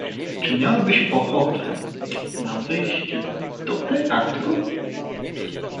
Czy miałabyś ochotę na wyjście do teatru?